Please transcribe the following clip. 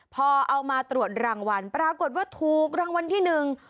พอเอามาตรวจรางวัลปรากฏว่าถูกรางวัลที่หนึ่ง